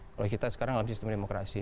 kalau kita sekarang dalam sistem demokrasi